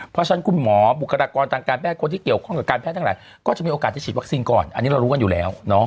เพราะฉะนั้นคุณหมอบุคลากรทางการแพทย์คนที่เกี่ยวข้องกับการแพทย์ทั้งหลายก็จะมีโอกาสจะฉีดวัคซีนก่อนอันนี้เรารู้กันอยู่แล้ว